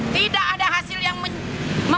tidak ada hasil yang menyebabkan